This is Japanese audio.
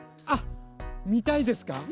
あっみたいですか？